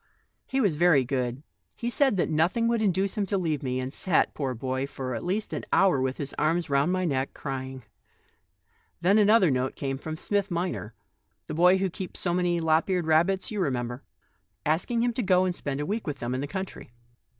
He was very good ; he said that nothing would induce him to leave me, and sat, poor child, for at least an hour with his arms round my neck, crying. Then another note came from Smith minor — the boy who keeps so many lop eared rabbits, you remember — asking him to go and spend a week with them in the country."